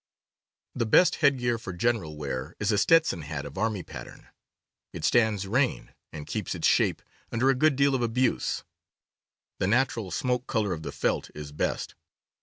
The best head gear for general wear is a Stetson hat of army pattern. It stands rain, and keeps its shape „ under a good deal of abuse. The natural smoke color of the felt is best.